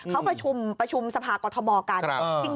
เข้าประชุมประชุมสภาคกรทมกัน